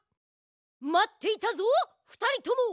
まっていたぞふたりとも！